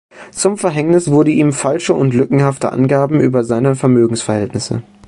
Zum Verhängnis wurden ihm falsche und lückenhafte Angaben über seine Vermögensverhältnisse.